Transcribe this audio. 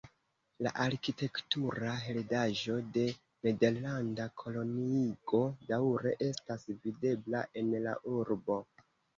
La arkitektura heredaĵo de nederlanda koloniigo daŭre estas videbla en la urbo.